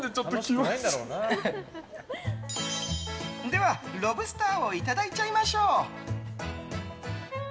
では、ロブスターをいただいちゃいましょう！